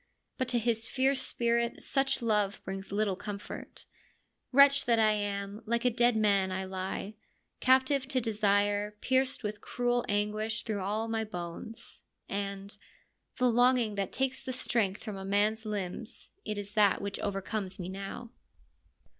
But to his fierce spirit such love brings little comfort :' Wretch that I am, like a dead man I lie, captive to desire, pierced with cruel anguish through all my bones '; and, ' The longing 32 FEMINISM IN GREEK LITERATURE that takes the strength from a mans limbs, it is that which overcomes me now.'